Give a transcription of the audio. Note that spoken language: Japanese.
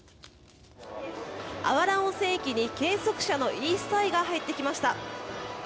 芦原温泉駅に計測車のイースト・アイが入ってきました。